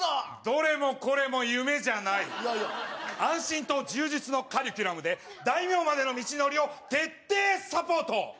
どれもこれも夢じゃないやや安心と充実のカリキュラムで大名までの道のりを徹底サポート